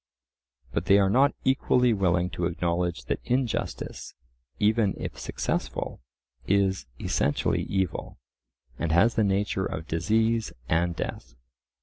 But they are not equally willing to acknowledge that injustice, even if successful, is essentially evil, and has the nature of disease and death.